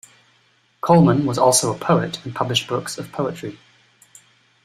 Coleman was also a poet and published books of poetry.